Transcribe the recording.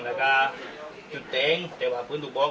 แต่ก็จุดเจ๊งแต่ว่าฟื้นถูกบอก